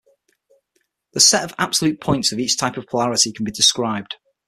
The set of absolute points of each type of polarity can be described.